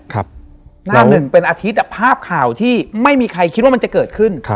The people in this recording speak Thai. หน้าหนึ่งเป็นอาทิตย์ภาพข่าวที่ไม่มีใครคิดว่ามันจะเกิดขึ้น